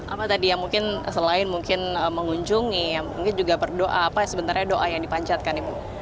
apa tadi ya mungkin selain mungkin mengunjungi mungkin juga berdoa apa sebenarnya doa yang dipancatkan ibu